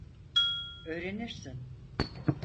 Öğrenirsin.